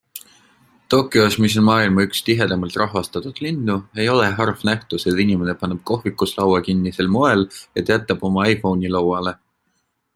Tokyos, mis on maailma üks tihedamalt rahvastatud linnu, ei ole harv nähtus, et inimene paneb kohvikus laua kinni sel moel, et jätab oma iPhone'i lauale.